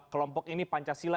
kelompok ini pancasila